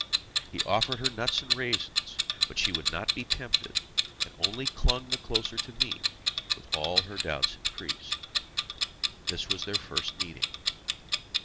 He offered her nuts and raisins, but she would not be tempted, and only clung the closer to me, with all her doubts increased. This was their first meeting.